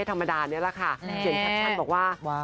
ธรรมดานี้แหละค่ะเห็นแท็กชันบอกว่า